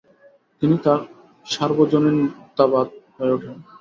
তিনি তার সার্বজনীনতাবাদ হয়ে ওঠেন।